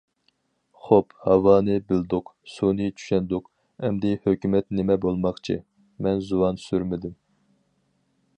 خوپ ھاۋانى بىلدۇق، سۇنى چۈشەندۇق، ئەمدى ھۆكۈمەت نېمە بولماقچى، مەن زۇۋان سۈرمىدىم.